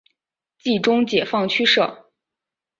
冀中解放区设。